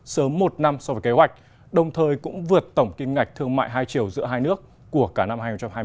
sớm một năm so với kế hoạch đồng thời cũng vượt tổng kinh ngạch thương mại hai triều giữa hai nước của cả năm hai nghìn hai mươi hai